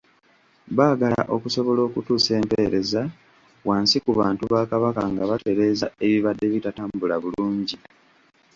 Baagala okusobola okutuusa empeereza wansi ku bantu ba Kabaka nga batereeza ebibadde bitatambula bulungi.